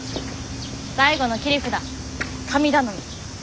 最後の切り札神頼み。